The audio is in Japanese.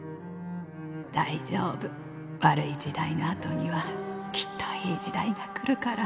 「大丈夫悪い時代の後にはきっといい時代が来るから」。